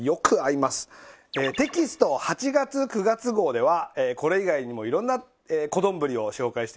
テキスト８月９月号ではこれ以外にもいろんな小丼を紹介してます。